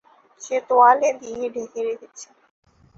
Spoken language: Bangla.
সে তোয়ালে দিয়ে ঢেকে রেখেছে।